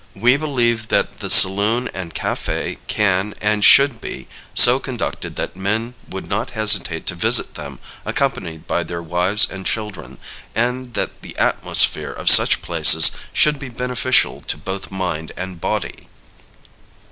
We believe that the saloon and café can, and should be, so conducted that men would not hesitate to visit them accompanied by their wives and children, and that the atmosphere of such places should be beneficial to both mind and body.